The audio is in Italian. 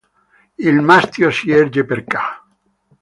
Il mastio si erge per ca.